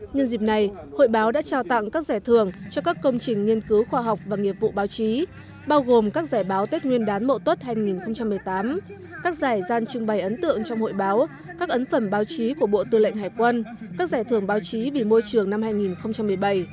nhân dịp này hội báo đã trao tặng các giải thưởng cho các công trình nghiên cứu khoa học và nghiệp vụ báo chí bao gồm các giải báo tết nguyên đán mậu tốt hai nghìn một mươi tám các giải gian trưng bày ấn tượng trong hội báo các ấn phẩm báo chí của bộ tư lệnh hải quân các giải thưởng báo chí vì môi trường năm hai nghìn một mươi bảy